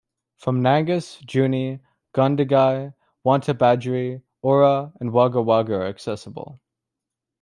From Nangus, Junee, Gundagai, Wantabadgery, Oura and Wagga Wagga are accessible.